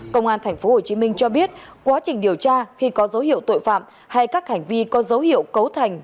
công an tp hcm cho biết quá trình điều tra khi có dấu hiệu tội phạm hay các hành vi có dấu hiệu cấu thành